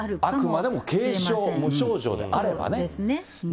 あくまでも軽症、無症状であればね。